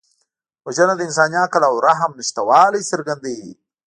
وژنه د انساني عقل او رحم نشتوالی څرګندوي